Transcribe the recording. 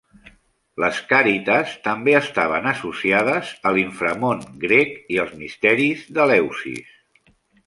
Les càrites també estaven associades a l'inframón grec i els misteris d'Eleusis.